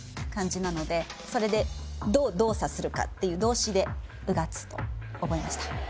それでどう動作するかっていう動詞でうがつと覚えました